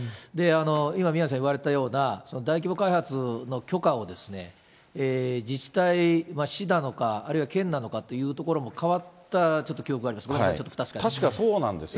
今、宮根さん言われたような、大規模開発の許可を、自治体、市なのか、あるいは県なのかというところも変わった記憶がちょっとあります、ごめんなさい、ちょっと不確かですが。